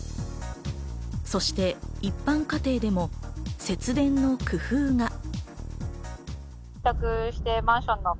そして一般家庭でも節電の工夫が。